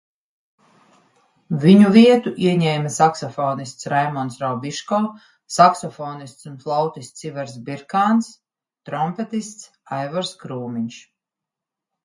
Viņu vietu ieņēma saksofonists Raimonds Raubiško, saksofonists un flautists Ivars Birkāns, trompetists Aivars Krūmiņš.